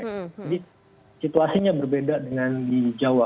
jadi situasinya berbeda dengan di jawa